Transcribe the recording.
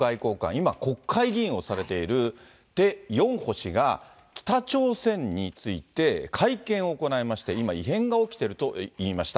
今、国会議員をされているテ・ヨンホ氏が、北朝鮮について、会見を行いまして、今、異変が起きていると言いました。